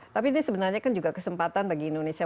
tapi ini sebenarnya kan juga kesempatan bagi indonesia